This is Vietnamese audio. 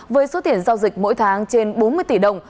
với số tiền giao dịch mỗi tháng trên bốn mươi tỷ đồng